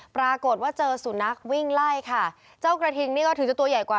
ปรากฏว่าเจอสุนัขวิ่งไล่ค่ะเจ้ากระทิงนี่ก็ถึงจะตัวใหญ่กว่า